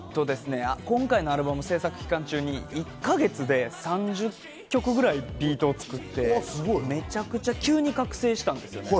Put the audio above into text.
今回のアルバム制作期間中に１か月で３０曲くらいビートを作って、めちゃくちゃ覚醒したんですよね。